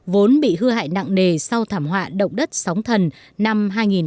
vốn bị hư hại nặng nề sau thảm họa động đất sóng thần năm hai nghìn một mươi